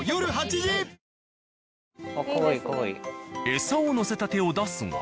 エサを載せた手を出すが。